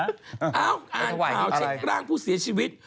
เอ้าอ่านข่าวเช็คร่างผู้เสียชีวิต